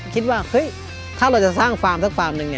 คิดว่าถ้าเราจะสร้างฟาร์มทั้งฟาร์มนึง